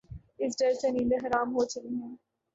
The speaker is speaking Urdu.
اس ڈر سے نیندیں حرام ہو چلی ہیں۔